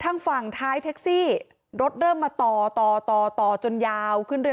แต่แท็กซี่เขาก็บอกว่าแท็กซี่ควรจะถอยควรจะหลบหน่อยเพราะเก่งเทาเนี่ยเลยไปเต็มคันแล้ว